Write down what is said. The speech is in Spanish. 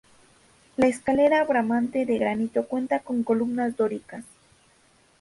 La escalera Bramante de granito cuenta con columnas dóricas.